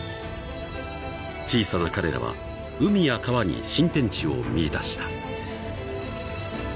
［小さな彼らは海や川に新天地を見いだした］